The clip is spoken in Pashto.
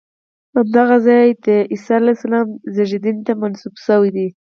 همدغه ځای د عیسی علیه السلام زېږېدنې ته منسوب شوی دی.